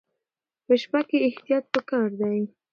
په شپه کې احتیاط پکار دی.